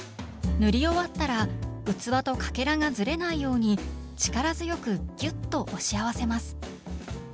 塗り終わったら器とかけらがずれないように力強くギュッと押し合わせます。